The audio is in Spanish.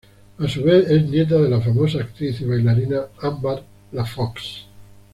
A su vez es nieta de la famosa actriz y bailarina Ámbar La Fox.